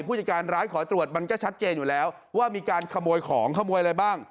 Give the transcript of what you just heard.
ผู้จัดการร้านขอตรวจมันก็ชัดเจนอยู่แล้วว่ามีการขโมยของขโมยอะไรบ้าง